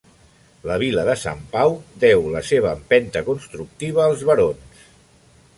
La Vila de Sant Pau deu la seva empenta constructiva als barons.